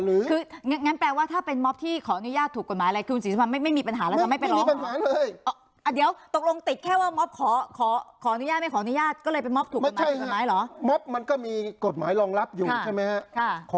หรือคืองั้นแปลว่าถ้าเป็นมิอบที่ขออนุญาตถูกกฎหมายอะไรคือมันสิบสามไม่มีปัญหาแล้ว